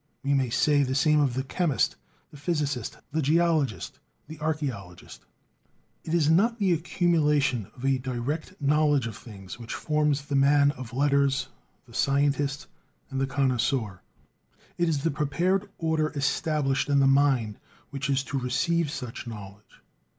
We may say the same of the chemist, the physicist, the geologist, the archaeologist. It is not the accumulation of a direct knowledge of things which forms the man of letters, the scientist, and the connoisseur; it is the prepared order established in the mind which is to receive such knowledge.